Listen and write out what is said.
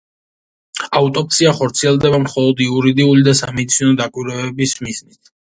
აუტოპსია ხორციელდება მხოლოდ იურიდიული და სამედიცინო დაკვირვების მიზნით.